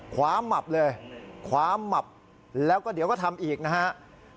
ความหมับเลยคว้าหมับแล้วก็เดี๋ยวก็ทำอีกนะครับ